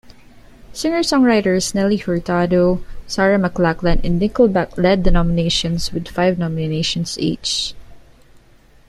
Singer-songwriters Nelly Furtado, Sarah McLachlan, and Nickelback led the nominations with five nominations each.